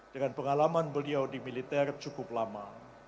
dengan pengalaman beliau di militer cukup lama